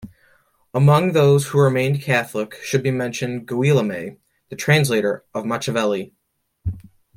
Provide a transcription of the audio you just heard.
Among those who remained Catholic should be mentioned Guillaume, the translator of Machiavelli.